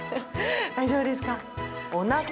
大丈夫ですか？